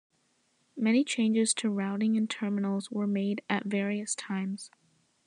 Many changes to routing and terminals were made at various times.